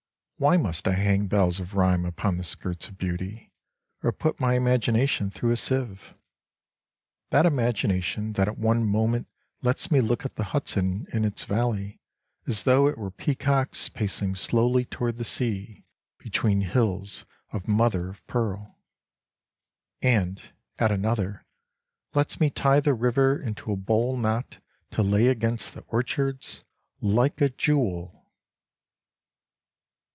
Why must I hang bells of rhyme upon the skirts of beauty, Or put my imagination through a sieve ? That imagination that at one moment lets me look at the Hudson in its valley As though it were peacocks pacing slowly toward the sea Between hills of mother of pearl: And at another, lets me tie the river into a bow knot To lay against the orchards Like a jewel'.